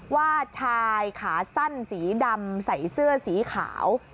ว่าชายขาสั้นสีดำใส่เสื้อสีขาว